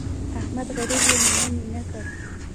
احمد غريب يې نينه نينه کړ.